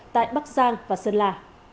tại bắc giang và sơn là